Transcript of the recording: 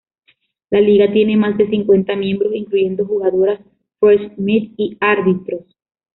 La liga tiene más de cincuenta miembros, incluyendo a jugadoras, "fresh meat" y árbitros.